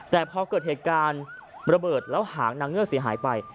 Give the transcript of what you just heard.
แต่พอเกิดเหตุการณ์ระเบิดแล้วหางนางเงือกเสียหายไป